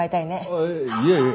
あっいえいえ。